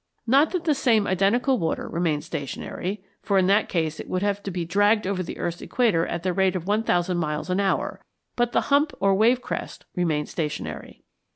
Not that the same identical water remains stationary, for in that case it would have to be dragged over the earth's equator at the rate of 1,000 miles an hour, but the hump or wave crest remains stationary.